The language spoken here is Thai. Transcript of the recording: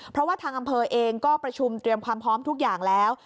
เพราะว่าทางอำเภอเองก็ประชุมเตรียมความพร้อมทุกอย่างแล้ว